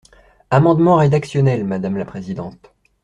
Amendement rédactionnel, madame la présidente.